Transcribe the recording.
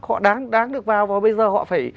họ đáng được vào và bây giờ họ phải